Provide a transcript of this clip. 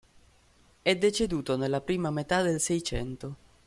È deceduto nella prima metà del Seicento.